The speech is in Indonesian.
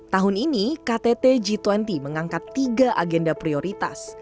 tahun ini ktt g dua puluh mengangkat tiga agenda prioritas